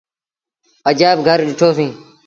اجآئيب گھر ڏٺو سيٚݩ۔